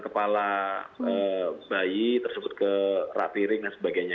kepala bayi tersebut ke rapi ring dan sebagainya